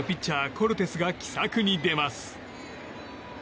コルテスが奇策に出ます。